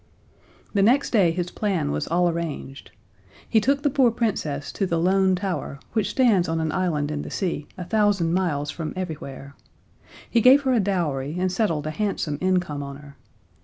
The next day his plan was all arranged. He took the poor Princess to the Lone Tower, which stands on an island in the sea, a thousand miles from everywhere. He gave her a dowry, and settled a handsome income on her.